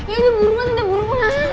ini buruan ini buruan